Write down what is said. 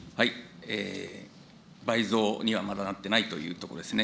倍増には、まだなっていないということですね。